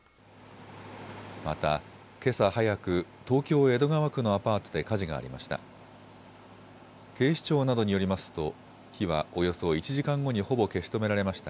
またけさ早く、東京江戸川区のアパートで火事がありました。